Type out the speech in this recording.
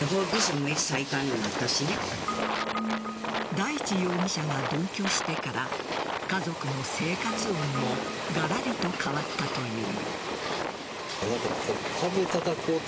大地容疑者が同居してから家族の生活音もがらりと変わったという。